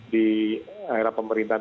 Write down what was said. di era pemerintahan